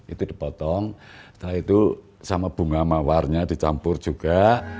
itu dipotong setelah itu sama bunga mawarnya dicampur juga